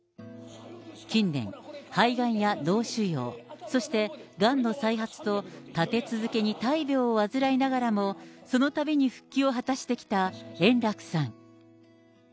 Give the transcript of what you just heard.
近年、肺がんや脳腫瘍、そしてがんの再発と立て続けに大病を患いながらも、そのたびに復帰を果たしてきた円楽さん。